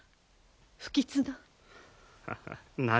不吉な。